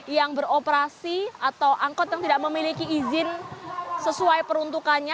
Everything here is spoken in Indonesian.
yang beroperasi atau angkot yang tidak memiliki izin sesuai peruntukannya